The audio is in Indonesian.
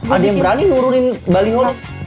ada yang berani nurunin baliho